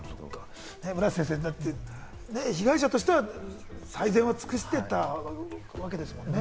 村瀬先生、だって被害者としてはね、最善を尽くしていたわけですもんね。